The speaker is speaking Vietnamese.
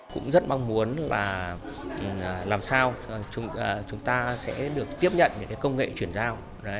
cũng rất mong muốn là làm sao chúng ta sẽ được tiếp nhận những công nghệ chuyển giao